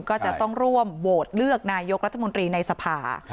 ก็จะต้องร่วมโหวตเลือกนายกรัฐมนตรีในสภา